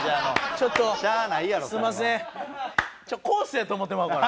ちょっとコースやと思ってまうから。